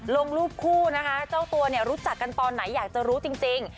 ลงรูปคู่นะคะเจ้าตัวเนี่ยรู้จักกันตอนไหนอยากจะรู้จริง